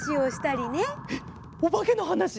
えっおばけのはなし？